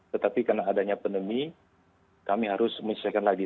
tetapi karena adanya pandemi kami harus menyesuaikan lagi